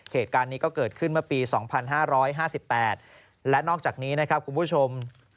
เหตุการณ์นี้ก็เกิดขึ้นเมื่อปี๒๕๕๘และนอกจากนี้นะครับคุณผู้ชม